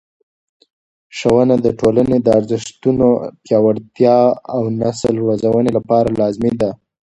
ښوونه د ټولنې د ارزښتونو د پیاوړتیا او نسل روزنې لپاره لازمي ده.